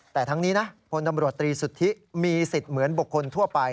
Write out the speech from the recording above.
แต่ทั้งนี้นะพลตำรวจตรีสุทธิมีสิทธิ์เหมือนบุคคลทั่วไป